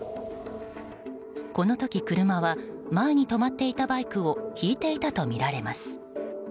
この時、車は前に止まっていたバイクをひいていたとみられます。